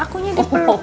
akunya di peluk